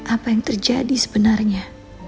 apa yang terjadi sebenarnya